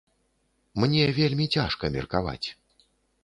Мне вельмі цяжка меркаваць.